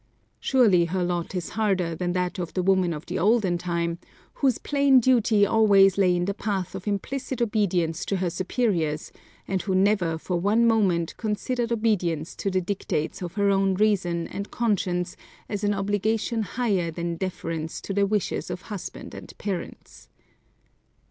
Surely her lot is harder than that of the woman of the olden time, whose plain duty always lay in the path of implicit obedience to her superiors, and who never for one moment considered obedience to the dictates of her own reason and conscience as an obligation higher than deference to the wishes of husband and parents.